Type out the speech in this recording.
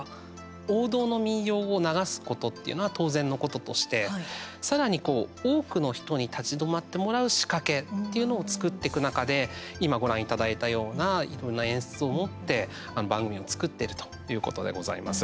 王道の民謡を流すことっていうのは当然のこととしてさらに多くの人に立ち止まってもらう仕掛けっていうのを作っていく中で今ご覧いただいたようないろいろな演出を持って番組を作っているということでございます。